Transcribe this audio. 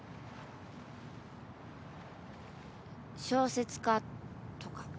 小説家とか。